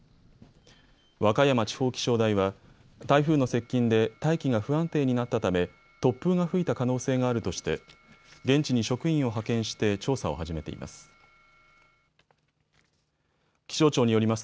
和歌山地方気象台は台風の接近で大気が不安定になったため突風が吹いた可能性があるとして現地に職員を派遣して調査を始めています。